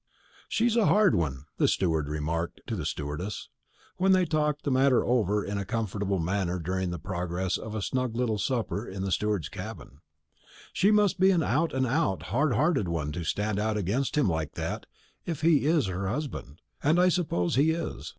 "She's a hard one!" the steward remarked to the stewardess, when they talked the matter over in a comfortable manner during the progress of a snug little supper in the steward's cabin, "she must be an out and out hard hearted one to stand out against him like that, if he is her husband, and I suppose he is.